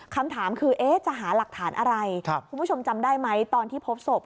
คำถามคือจะหาหลักฐานอะไรคุณผู้ชมจำได้ไหมตอนที่พบศพ